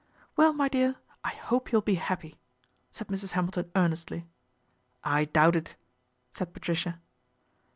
' Well, my dear, I hope you'll be happy," said Mrs. Hamilton earnestly. " I doubt it," said Patricia.